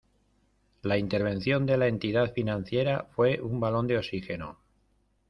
La intervención de la entidad financiera fue un balón de oxígeno.